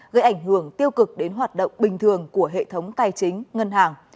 gây ảnh hưởng tiêu cực đến hoạt động bình thường của hệ thống tài chính ngân hàng